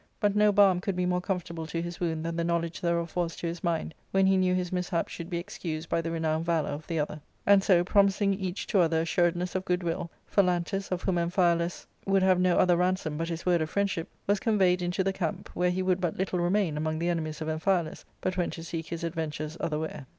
But no balm could be more comfortable to his wound than the knowledge thereof was to his mind, when he knew his mishap should be excused by the renowned valour of the other. And so promising each to other assuredness of good* will, Phalantus, of whom Amphialus would have no other ransom but his word of friendship, was conveyed into the camp, where he would but little remain among the enemies of Amphialus, but went to seek his adventures otherwhere.